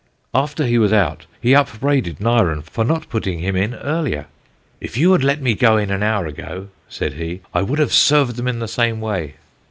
After he was out, he upbraided Nyren for not putting him in earlier. 'If you had let me go in an hour ago' (said he), 'I would have served them in the same way.'